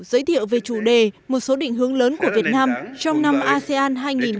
giới thiệu về chủ đề một số định hướng lớn của việt nam trong năm asean hai nghìn hai mươi năm